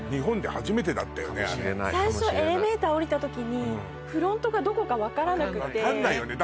最初エレベーター降りた時にフロントがどこか分からなくて分かんないよね